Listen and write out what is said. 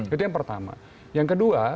itu yang pertama yang kedua